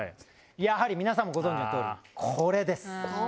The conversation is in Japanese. やはり皆さんもご存じの通りこれです。